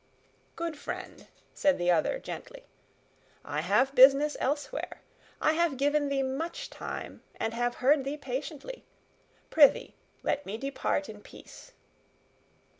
"Good friend," said the other gently, "I have business elsewhere. I have given thee much time and have heard thee patiently. Prythee, let me depart in peace."